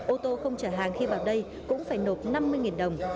ô tô không trả hàng khi vào đây cũng phải nộp năm mươi đồng